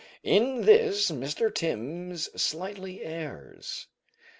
In this Mr. Timbs slightly errs.